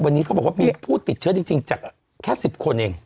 วันนี้เขาบอกว่ามีผู้ติดเชื้อจริงจากแค่๑๐คนเอง